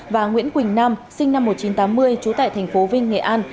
và nguyễn quỳnh nam sinh năm một nghìn chín trăm tám mươi trú tại thành phố vinh nghệ an